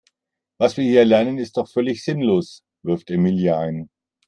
Was wir hier lernen ist doch völlig sinnlos, wirft Emilia ein.